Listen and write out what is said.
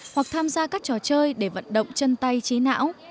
hoặc tham gia các trò chơi để vận động chân tay trí não